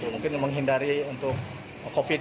mungkin menghindari untuk covid sembilan belas